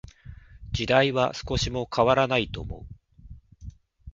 時代は少しも変らないと思う。